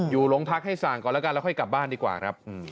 อยู่หลงทักษ์ให้ศานก่อนแล้วกลับบ้านดีกว่า